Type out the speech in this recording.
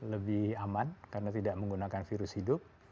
lebih aman karena tidak menggunakan virus hidup